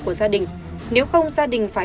của gia đình nếu không gia đình phải